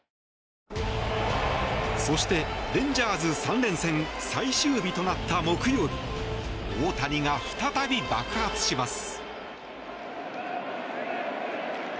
そして、レンジャーズ３連戦最終日となった木曜大谷が再び爆発します。